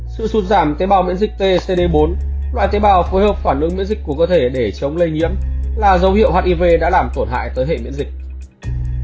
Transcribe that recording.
sự sụt giảm tế bào miễn dịch t cd bốn loại tế bào phối hợp phản ứng miễn dịch của cơ thể để chống lây nhiễm là dấu hiệu hiv đã làm tổn hại tới hệ miễn dịch